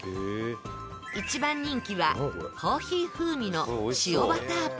一番人気はコーヒー風味の塩バターパン。